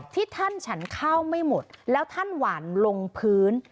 ที่ท่านฉันข้าวไม่หมดแล้วท่านหวานลงพื้น